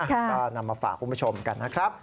ก็นำมาฝากคุณผู้ชมกันนะครับ